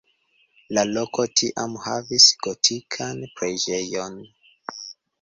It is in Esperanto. La loko tiam havis gotikan preĝejon.